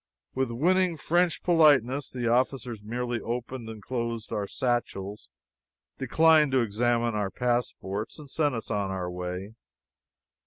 With winning French politeness the officers merely opened and closed our satchels, declined to examine our passports, and sent us on our way.